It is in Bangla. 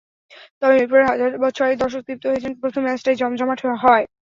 তবে মিরপুরের হাজার ছয়েক দর্শক তৃপ্ত হয়েছেন প্রথম ম্যাচটাই জমজমাট হওয়ায়।